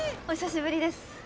お久しぶりです。